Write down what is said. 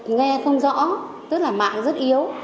nghe không rõ tức là mạng rất yếu